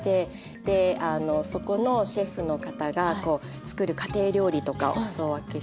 でそこのシェフの方が作る家庭料理とかお裾分けしてもらったり。